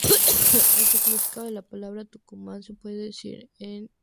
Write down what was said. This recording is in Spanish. El significado de la palabra "Tucumán", se puede decir que es un enigma.